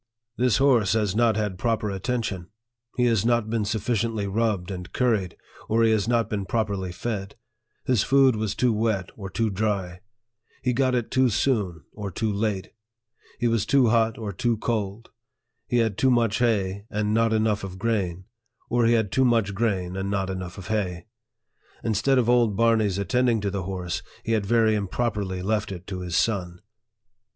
" This horse has not had proper attention. He has not been sufficiently rubbed and curried, or he has not been properly fed ; his food was too wet or too dry ; he got it too soon or too late ; he was too hot or too cold ; he had too much hay, and not enough of grain ; or he had too much grain, and not enough of hay ; instead of old Barney's attending to the horse, he had very im properly left it to his son."